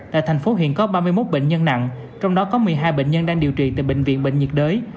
tại tp hcm có ba mươi một bệnh nhân nặng trong đó có một mươi hai bệnh nhân đang điều trị tại bệnh viện bệnh nhiệt đới